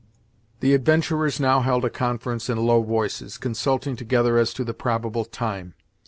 The adventurers now held a conference in low voices, consulting together as to the probable time.